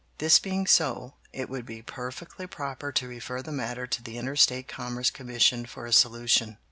This being so, it would be perfectly proper to refer the matter to the Interstate Commerce Commission for a solution.